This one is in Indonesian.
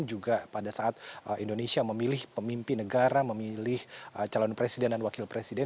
juga pada saat indonesia memilih pemimpin negara memilih calon presiden dan wakil presiden